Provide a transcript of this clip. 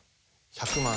１００万？